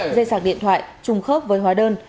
dây sạc điện thoại trùng khớp với hóa đơn